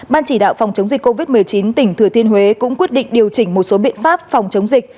ban chỉ đạo phòng chống dịch covid một mươi chín tỉnh thừa thiên huế cũng quyết định điều chỉnh một số biện pháp phòng chống dịch